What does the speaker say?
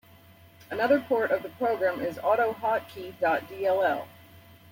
Another port of the program is AutoHotkey dot dll.